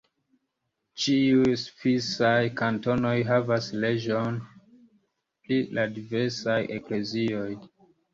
Ĉiuj svisaj kantonoj havas leĝojn pri la diversaj eklezioj.